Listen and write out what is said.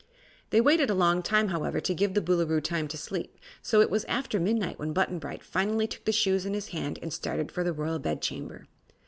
They waited a long time, however, to give the Boolooroo time to get to sleep, so it was after midnight when Button Bright finally took the shoes in his hand and started for the Royal Bedchamber.